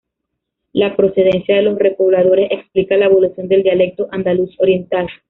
La procedencia de los repobladores explica la evolución del dialecto andaluz oriental.